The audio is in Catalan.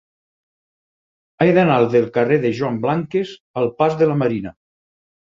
He d'anar del carrer de Joan Blanques al pas de la Marina.